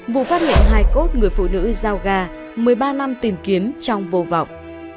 vụ phát hiện hai cốt người phụ nữ giao ga một mươi ba năm tìm kiếm trong vô vọng